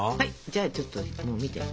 じゃあちょっと見て。